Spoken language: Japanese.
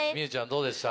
どうでした？